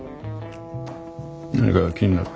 何か気になるか？